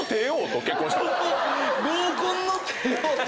合コンの帝王と⁉